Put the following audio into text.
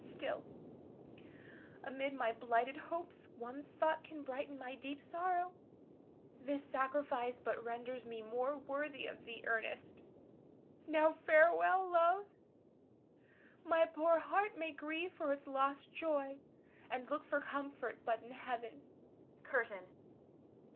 Still amid my blighted hopes one thought can brighten my deep sorrow, this sacrifice but renders me more worthy of thee, Ernest. Now farewell, love; my poor heart may grieve for its lost joy, and look for comfort but in Heaven. CURTAIN.